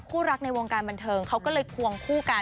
คู่รักในวงการบันเทิงเขาก็เลยควงคู่กัน